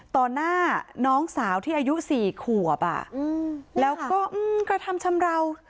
ต่อหน้าน้องสาวที่อายุสี่ขวบอ่ะอืมแล้วก็อืมกระทำชำราว